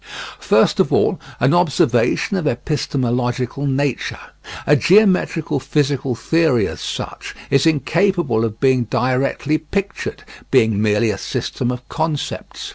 First of all, an observation of epistemological nature. A geometrical physical theory as such is incapable of being directly pictured, being merely a system of concepts.